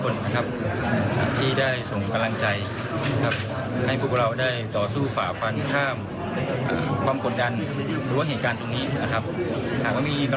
กรรมการที่ท่านส่งมาเหมือนพวกเรามีพลังเป็นร้อยเท่ากับพันเท่า